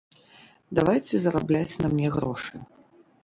Давайце зарабляць на мне грошы!